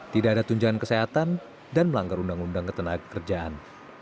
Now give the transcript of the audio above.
tidak ada tunjangan kesehatan dan melanggar undang undang ketenaga kerjaan